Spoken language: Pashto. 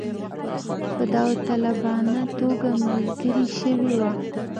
په داوطلبانه توګه ملګري شوي وه.